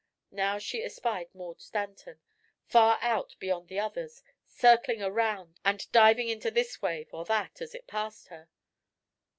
Now she espied Maud Stanton, far out beyond the others, circling around and diving into this wave or that as it passed her.